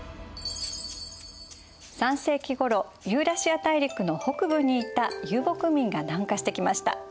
３世紀ごろユーラシア大陸の北部にいた遊牧民が南下してきました。